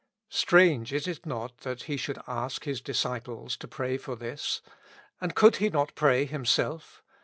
Strange, is it not, that He should ask His disciples to pray for this ? And could He not pray Himself?